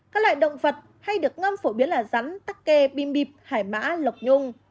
các loại động vật hay được ngâm phổ biến là rắn tắc kê bim bịp hải mã lộc nhung